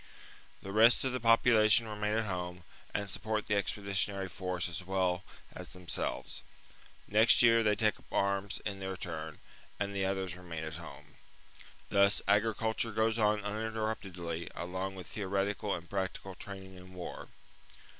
The rest of the population remain at home, and sup port the expeditionary force as well as them selves. Next year they take up arms in their turn, and the others remain at home. Thus agriculture goes on uninterruptedly along with theoretical and practical training in war.